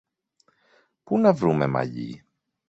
Πού να βρούμε μαλλί;